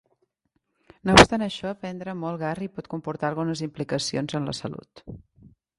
No obstant això, prendre molt garri pot comportar algunes implicacions en la salut.